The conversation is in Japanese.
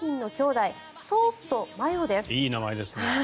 いい名前ですね。